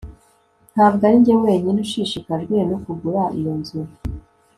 ntabwo arinjye wenyine ushishikajwe no kugura iyo nzu